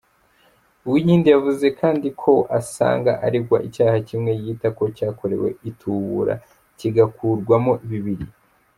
Uwinkindi yavuze kandi ko asanga aregwa icyaha kimwe yita ko cyakorewe ‘itubura’ kigakurwamo bibiri.